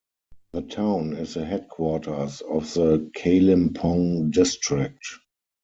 The town is the headquarters of the Kalimpong district.